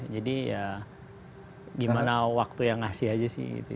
jadi ya gimana waktu yang ngasih aja sih gitu